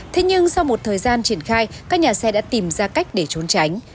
thế nhưng sau một thời gian triển khai các nhà xe đã tìm ra cách để trốn tránh